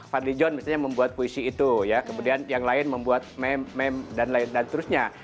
van lee jon misalnya membuat puisi itu ya kemudian yang lain membuat meme meme dan lain lain terusnya